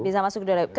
bisa masuk dua ribu